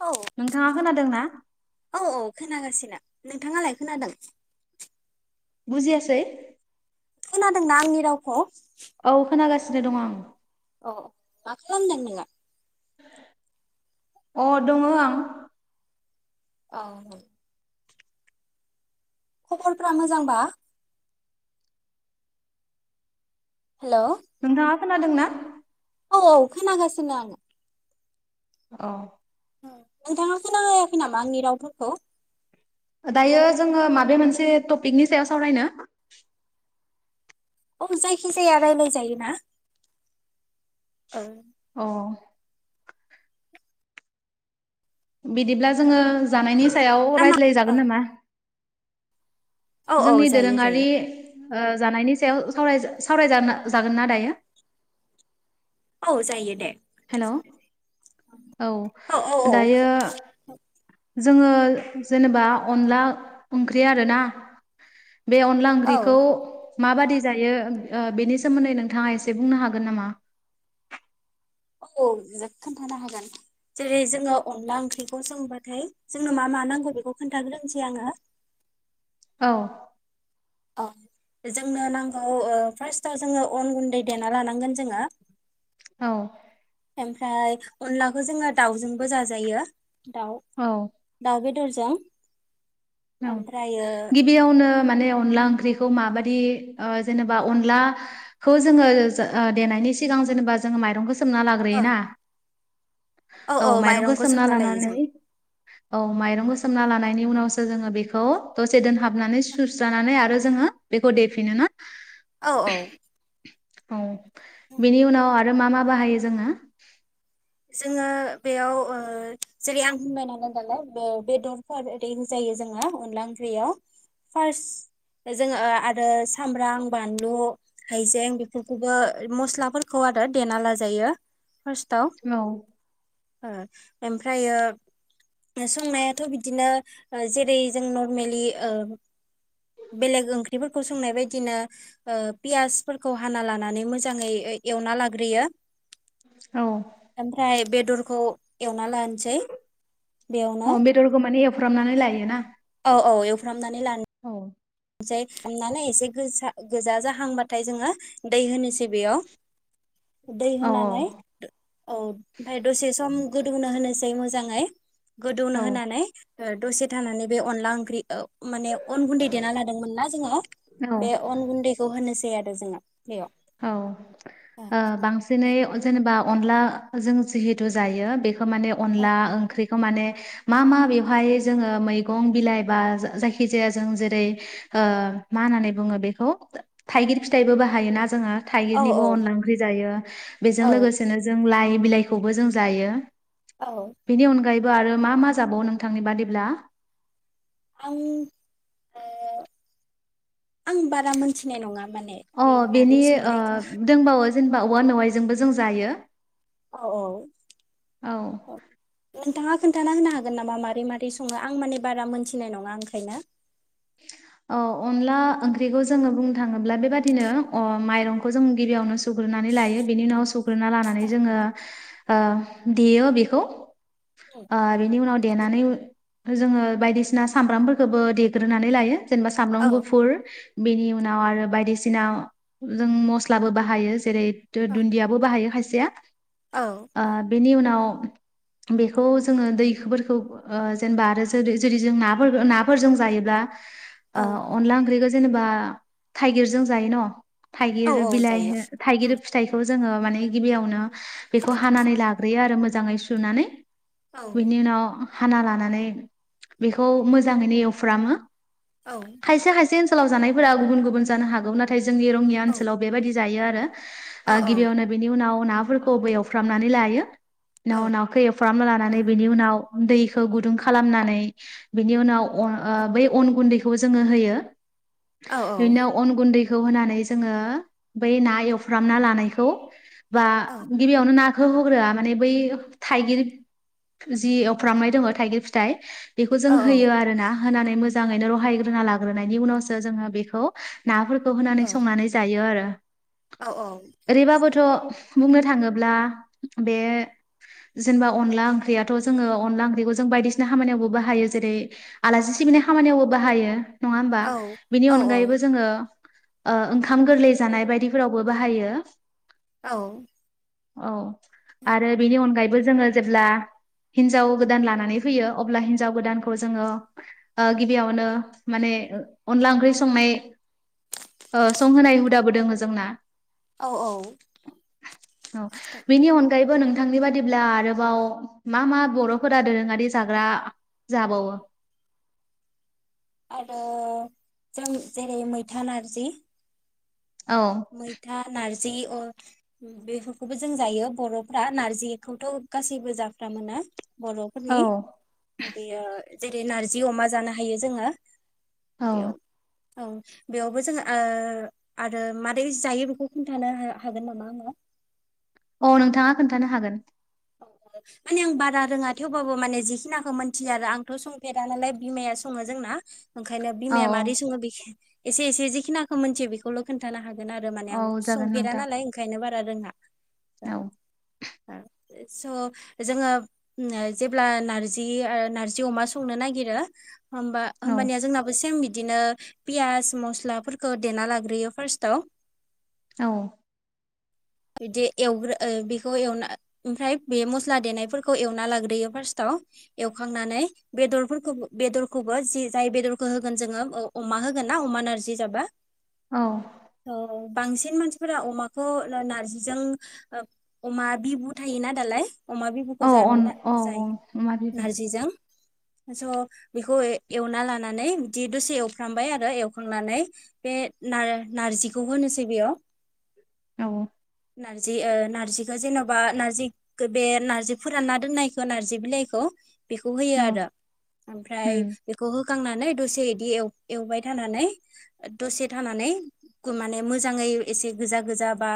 औ नोंथाङा खोनादोंना? औ औ खोनागासिनो। नोंथाङालाय खोनादों? बुजियासै? खोनादोंना आंनि रावखौ? औ खोनागासिनो दं आं। अ मा खालामदों नोंलाय? अ दङ आं। औ। खबरफ्रा मोजांबा? हेल' नोंथाङा खोनादोंना? औ औ खोनागासिनो आं। औ नोंथाङा खोनायाखै नामा आंनि रावफोरखौ? दायो जोङो माबे मोनसे टपिकनि सायाव सावरायनो? औ जायखि जाया रायलाय जायोना? ओं। अ बिदिब्ला जोङो जानायनि सायाव ना मा औ रायज्लायजागोन नामा? औ औ जोंनि जायो दोरोङारि जायो जानायनि सायाव सावराय जागोना दायो? औ जायो दे। हेल' औ औ दायो जोङो जेनेबा अनला ओंख्रि आरोना बे अनला औ ओंख्रिखौ माबादि जायो। ओ बेनि सोमोन्दै नोंथाङा एसे बुंनो हागोन नामा? औ खोनथानो हागोन। जेरै जोङो अनला ओंख्रिखौ संबाथाय जोंनो मा मा नांगौ बेखौ खोन्थाग्रोनोसै आङो। औ। अ जोंनो नांगौ ओ फार्स्टआव जोङो अन गुन्दै देना लानांगोन जोङो। औ ओमफ्राय अनलाखौ जोङो दाउजोंबो जाजायो। दाउ औ। दाउ बेदरजों ओमफ्रायो बेयावनो माने अनला ओंख्रिखौ माबायि ओ जेनेबा अनला खौ जोङो ओ देनायनि सिगां जेनेबा जोङो माइरंखौ सोमना ओ लाग्रोयोना औ माइरंखौ सोमना लानानै औ माइरंखौ सोमना लानायनि उनावसो जोङो बेखौ दसे दोनहाबनानै सुस्रानानै आरो जोङो बेखौ देफिनोना? औ औ। औ बिनि उनाव आरो मा मा बाहायो जोङो? जोङो बेयाव ओ जेरै- आं बुंबाय नालाय दालाय बे बेदर [unintelligible] जोंहा अनला ओंख्रियाव फार्स्ट जोङो ओ आरो सामब्राम बानलु हाइजें बेफोरखौबो मस्लाफोरखौ आरो देना लाजायो फार्स्टाव। औ ओ ओमफ्रायो सोंनायाथ' बिदिनो ओ जेरै जों नरमेलि ओ बेलेग ओंख्रिफोरखौ सोंनाय बायदिनो ओ पियासफोरखौ हाना लानानै मोजाङै एवना लाग्रोयो। औ ओमफ्राय बेदरखौ एवना लानसै। अ बेदरखौ माने एवफ्रामनानै लायो ना? औ-औ एवफ्रामनानै लानो औ जाय खुंनानै एसे गोसा गोजा जाहांबाथाय जोङो दै होनोसै बेयाव दै औ होनानै औ ओमफ्राय दसे सम गोदौना होनोसै मोजाङै गोदौनो औ होनानै ओ दसे थानानै बे अनला ओंख्रि औ माने अन गुन्दै देना लादोंमोन ना जोङो औ बे अन गुन्दैखौ होनोसै आरो जोङो बेयाव औ ओ बांसिनै जेनेबा अनला जों जिहेथु जायो बे ओ माने अनला ओंख्रि खौ माने मा मा बेवहाय जोङो मैगं बिलाइ बा जायखिजाया जों जेरै- ओ मा होननानै बुङो बेखौ थाइगिर फिथाइबो बाहायो ना जोङो औ थाइगिरनिबो अनला ओंख्रि जायो औ बेजों लोगोसेनो जों लाइ बिलाइखौबो जों जायो। औ बेनि अनगायैबो आरो मा मा जाबावो नोंथांनि बादिब्ला आं ओ आं बारा मोनथिनाय नङा माने अ बे मादै बेनि ओ संनायखौ दोंबावो जेनेबा औवा मेवायजोंबो जों जायो औ औ औ नोंथाङा खोन्थाना होनो हागोन नामा मारै मारै सङो आं माने बारा मोनथिनाय नङा ओंखायनो [inaudible] औ अनला ओंख्रिखौ जोङो बुंनो थाङोब्ला बेबादिनो अ माइरंखौ जों गिबियावनो सुग्रोनानै लायो बेनि उनाव सुग्रोना लानानै जोङो ओ देयो बेखौ औ ओ बिनि उनाव देनानै जोङो बायदिसिना सामब्रामफोरखौबो दे ग्रोनानै लायो जेनेबा सामब्राम गुफुर बेनि उनाव आरो बायदिसिना जों मस्लाबो बाहायो जेरै- दु-दुन्दियाबो बाहायो खायसेया औ ओ बेनि उनाव बेखौ जोङो दैफोरखौ ओ जेनेबा आरो जे जेरै जों नाफोर नाफोरजों जायो। ब्ला औ ओ अनला ओंख्रिखौ जेनेबा थाइगिरजों जायो न' औ थाइगिर औ बिलाइ जायो हो औ थाइगिर फिथाइ खौ जोङो माने गिबियावनो बेखौ हानानै लाग्रोयो आरो मोजाङै सुनानै। औ बेनि उनाव हाना लानानै बेखौ मोजाङैनो एवफ्रामो औ खायसे खायसे ओनसोलाव जानायफोरा गुबुन गुबुन जानो हागौ नाथाय जोंनि रङिया औ ओनसोलाव बेबायदि जायो आरो औ ओ गिबियावनो बेनि उनाव नाफोरखौ बो एवफ्रामनानै लायो न' नाखौ एवफ्रामना लानानै बिनि उनाव गुन्दैखौ गुदुं खालामनानै बिनि उनाव अन ओ बै अन गुन्दैखौ जोंङो होयो औ बेनि उनाव अन गुन्दैखौ होनानै जोंङो बै ना एवफ्रामना लानायखौ बा औ गिबियावनो नाखौ होग्रोआ माने बै थाइगिर जि एवफ्रामनाय दङ थाइगिर फिथाइ बेखौ जों औ होयो आरो ना होनानै मोजाङैनो रहायग्रोना लाग्रोनायनि उनावसो जोंङो बेखौ नाफोरखौ होनानै संनानै जायो आरो। औ औ ओरैबाबोथ' बुंनो थाङोब्ला बे जेनेबा अनला ओंख्रियाथ' जोङो अनला ओंख्रिखौ जों बायदिसिना खामानियावबो बाहायो जेरै- आलासि सिबिनाय खामानियावबो बाहायो नङा होमबा? बिनि अनगायैबो जोङो ओ ओंखाम गोरलै जानाय बायदिफोरावबो बाहायो औ औ आरो बेनि अनगायैबो जोंङो जेब्ला हिनजाव गोदान लानानै फैयो अब्ला हिनजाव गोदानखौ जोंङो ओ गिबियावनो माने अनला ओंख्रि संनाय ओ संहोनाय हुदाबो दोङो जोंना। औ औ औ बेनि अनगायैबो नोंथांनि बादिब्ला आरोबाव मा मा बर'फोरा दोरोङारि औ जाग्रा जाबावो? आरो जों जेरै मैथा नारजि औ मैथा नारजि अ बेफोरखौबो जों जायो बर'फ्रा नारजिखौथ' गासैबो जाफ्रामोना औ बर'फोरनि बेयो जेरै नारजि अमा जानो हायो जोंङो बेयाव औ औ बेयावबो जोंङो ओ आरो मा बे जायो बेखौ खोन्थानो हागोन नामा आंनो? औ नोंथाङा खोन्थानो हागोन। [unintelligible] माने आं बारा रोङा थेवबाबो माने जिखिनाखौ मिथियो आरो आंथ' संफेरा नालाय बिमाया सङो जोंना। ओंखायनो औ बिमाया मारै सङो एसे एसे जिखिनाखौ मोनथियो बे खौल' खोनथानो हागोन आरो माने आं औ जागोन संफेरा नोंथां नालाय ओंखायनो बारा रोङा। औ ओ स' जोंङो जेब्ला नार्जि ओक्षनार्जि अमा संनो नागिरो होमबा औ होमबानिया जोंनाबो सेम बिदिनो पियास मस्लाफोरखौ देना लाग्रोयो फार्स्टाव औ बिदि एवग्रो ओ बेखौ एवना ओमफ्राय बे मस्ला देनायफोरखौ एवना लाग्रोयो फार्स्टाव एवखांनानै बेदरफोरखौ बेदरखौबो जि जाय बेदरखौ होगोन जोंङो अमा होगोन ना अमा नारजि जाबा औ औ बांसिन मानसिफोरा अमाखौ नारजिजों अमा बिबु थोयोना दालाय अमा बि खौ औ अन जानोना औ औ जायो अमा बिबु नारजिजों स' बेखौ ए एवना लानानै बिदि दसे एवफ्रामबाय आरो एवखांनानै बे नार नारजिखौ होनोसै बेयाव औ नारजि ओ नार्जिखौ जेन'बा नारजि खो बे नार्जि फोरानना दोन्नायखौ नार्जि बिलाइखौ बेखौ होयो औ आरो। ओमफ्राय उम बेखौ होखांनानै दसे बिदि एवबाय थानानै दसे थानानै गु माने मोजांङै एसे गोजा गोजा बा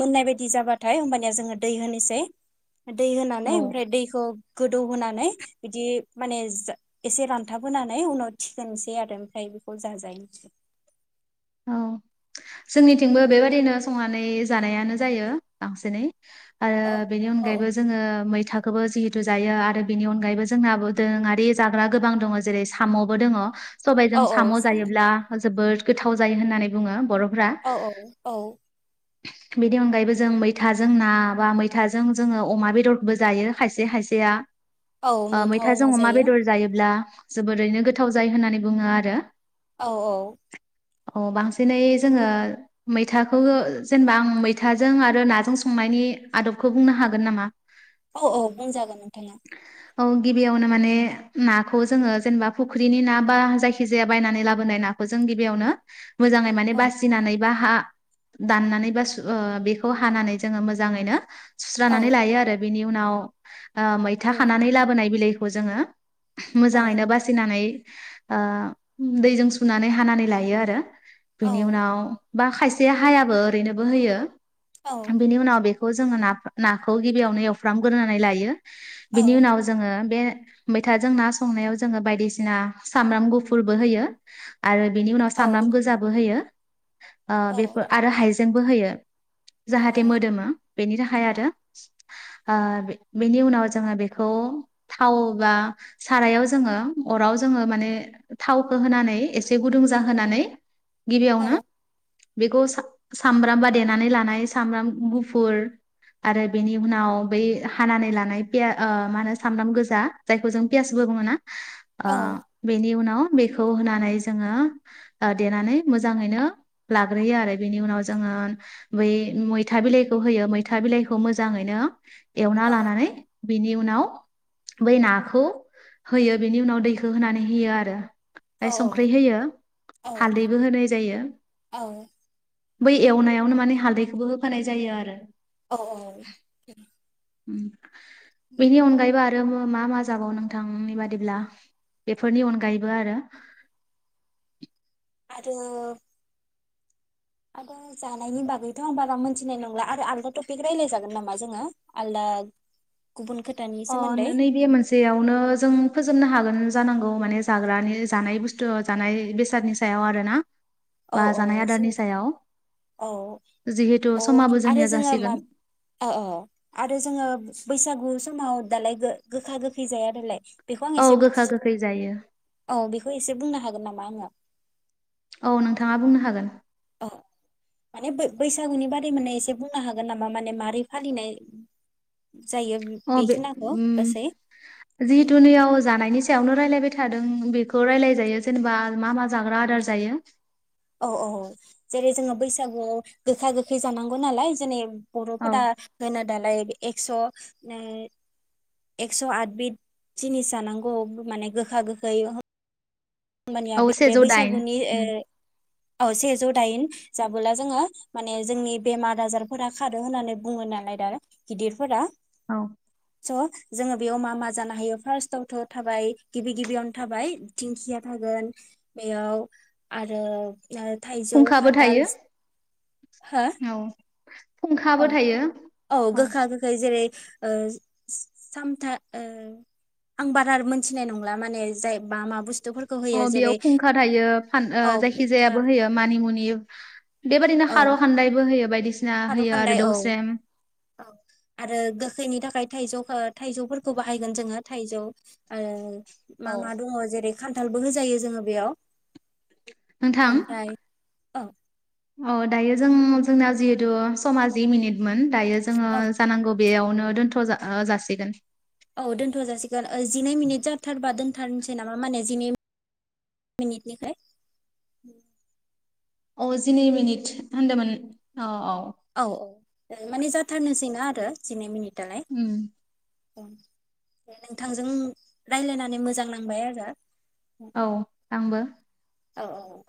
मोननाय बायदि जाबाथाय होमबानिया जोंङो दै होनोसै दै औ होनानै ओमफ्राय दैखौ गोदौहोनानै बिदि माने जा एसे रानथाब होनोनानै उनाव थिखोनोसै आरो ओमफ्राय बेखौ जाजायो [unintelligible] औ जोंनिथिंबो बेबादिनो संनानै जानायानो जायो बांसिनै आरो औ बेनि औ अनगायैबो जोंङो मैथाखोबो जिहेतु जायो आरो बेनि अनगायैबो जोंनाबो दोरोंङारि जाग्रा गोबां दंङ जेरै साम'बो दङ सबायजों औ औ साम' जायोब्ला जोबोद गोथाव जायो होननानै बुङो बर' औ औ औ [inaudible] बिनि अनगायैबो जों मैथाजों ना बा मैथाजों जोंङो अमा बेदरखौबो जायो खायसे खायसेया औ ओ मैथा मैथाजों अमा जायो। बेदर जायोब्ला जोबोरैनो गोथाव जायो होननानै बुङो आरो। औ औ अ बांसिनै जोंङो मैथाखौ जेनेबा आं मैथाजों आरो नाजों संनायनि आदबखौ बुंनो हागोन नामा? औ औ बुंजागोन नोंथांङा औ औ गिबियावनो माने ना खौ जोंङो जेनेबा फुख्रिनि ना बा जायखिजाया बायनानै लाबोनाय ना खौ जों गिबियावनो मोजांङै माने औ बासिनानै बा हा दाननानै बा सु ओ बेखौ हानानै जोंङो मोजांङैनो सुस्रानानै औ लायो आरो। बिनि उनाव ओ औ मैथा खानानै लाबोनाय बिलाइखौ जोंङो औ मोजांङैनो बासिनानै ओ दैजों सुनानै हानानै लायो आरो। बिनि औ उनाव बा खायसे हायाबो ओरैनोबो होयो, औ बेनि उनाव बे खौ जोंङो ना-नाखौ गिबियावनो एवफ्रामग्रोनानै लायो औ बिनि उनाव जोंङो बे मैथाजों ना संनायाव जोंङो बायदिसिना सामब्राम गुफुरबो होयो। आरो बेनि उनाव औ सामब्राम गोजाबो होयो ओ औ बेफोर आरो हाइजेंबो होयो जाहाथे मोदोमो बेनि थाखाय आरो। ओ बे-बेनि उनाव जोंङो बेखौ थाव बा सारायाव जोंङो अराव जोंङो माने थावखौ होनानै एसे गुदुं जाहोनानै गिबियावनो औ बेखौ सा-सामब्रामबा देनानै लानाय सामब्राम गुफुर आरो बेनि उनाव बै हानानै लानाय पिया ओ मा होनो सामब्राम गोजा। जायखौ जों पियासबो बुंङो ना? ओ बेनि उनाव बेखौ होनानै जोंङो देनानै मोजांङैनो लाग्रोयो आरो बेनि उनाव जोंङो बै मैथा बिलाइखौ होयो मैथा बिलाइखौ मोजांङैनो एवना लानानै बेनि उनाव बै नाखौ होयो बेनि उनाव दैखौ होनानै होयो आरो। फाय संख्रि होयो औ हालदैबो होनाय जायो। औ बै एवनायावनो माने हालदैखौबो होफानाय जायो आरो। औ औ उम बैनि अनगायैबो आरो मा मा जागाव नोंथांनि बादिब्ला? बेफोरनि अनगायैबो आरो? आरो आरो जानायनि बागैथ' आं बारा मोनथिनाय नंला आरो आलदा टपिक रायज्लाय जागोन नामा जोंङो? आलदा गुबुन खोथानि सोमोन्दै। बेयावनो जों फोजोबनो हागोन जानांगौ माने जाग्रानि जानाय बुस्थु जानाय बेसादनि सायाव आरोना औ बा औ जानाय आदारनि सोमोन्दै सायाव। औ जिहेतु औ समाबो आरो जोंनिया जोङो मा जासिगोन। औ औ आरो जोंङो बैसागु समाव दालाय गो-गोखा गोखै जाया दालाय बेखौ आं औ एसे गोखा गोखै जायो औ बेखौ एसे बुंनो हागोन नामा आंङो? औ नोंथांङा बुंनो हागोन। ओ माने बै-बैसागुनि बारै माने एसे बुंनो हागोन नामा माने मारोरै फालिनाय जायो अ बे बेखिनाखौ गासै उम जिहेथु नैयाव जानायनि सायावनो रायलायबाय थादों बेखौ रायलायजायो जेनेबा मा मा जाग्रा आदार जायो। औ औ जेरै जोंङो बैसागुआव गोखा गोखै जानांगौ नालाय जेने बर'फोरा औ होनो दालाय एक्स'नै एकस' आद बिद जिनिस जानांगौ। माने गोखा गोखै मानिया औ बे सेजौ दाइन बैसागुनि उम ओ औ सेजौ दाइन जाबोला जोङो माने जोंनि बेमार आजारफोरा खारो होननानै बुङो नालाय दा गिदिरफोरा। औ। स' जोङो बेयाव मा-मा जानो हायो फार्स्टआवथ' थाबाय गिबि गिबियावनो थाबाय थिंखिया थागोन बेयाव आरो ओ थाइजौ फुंखाबो खान्थाल थायो सि हो औ। फुंखाबो थायो औ-औ औ गोखा गोखै जेरै ओजि सामथा ओ आं बारार मोनथिनाय नंला माने जाय मा मा बुस्थुफोरखौ होयो अ बेयाव जेरै फुंखा थायो फान ओ औ जायखि फुंखा जायाबो होयो। मानि मुनि बेबादिनो खार' खान्दायबो होयो बायदिसि खारौखान्दाय औ। औ आरो गोखैनि थाखाय थाइजौफोद थाइजौफोरखौ बाहायगोन जोङो थाइजौ। ओ मा-मा दङ जेरै खान्थालबो होजायो जोङो बेयाव। नोंथां। ओमफ्राय औ अ दायो जों जोंना जिहेथु समा जिमिनिटमोन दायो जोङो औ जानांगौ। बेयावनो दोनथ' जा ओ जासिगोन। औ दोनथ' जासिगोन ओ जिनै मिनिट जाथारबा दोनथारनोसै नामा माने जिनै मिनिटनिफ्राय। अ जिनै मिनिट होनदोमोन अ-अ। औ-औ माने जाथारनोसैना आरो जिनै मिनिटलाय। उम। उम दे नोंथांजों रायलायनानै मोजां नांबाय आरो। औ आंबो। औ-औ-औ।